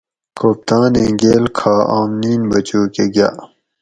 کوپتانیں گیل کھا آم نین بچوکہ گا